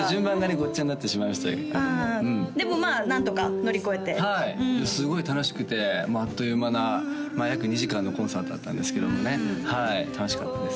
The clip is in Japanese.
ごっちゃになってしまいましてでもまあ何とか乗り越えてはいすごい楽しくてもうあっという間な約２時間のコンサートだったんですけどもねはい楽しかったです